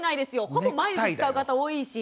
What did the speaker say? ほぼ毎日使う方多いし。